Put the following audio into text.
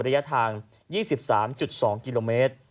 ระยะทาง๒๓๒กิโลเมตร